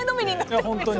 本当に。